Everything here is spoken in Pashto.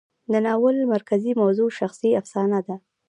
د ناول مرکزي موضوع شخصي افسانه ده.